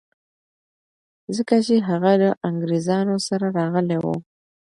ځکه چي هغه له انګریزانو سره راغلی و.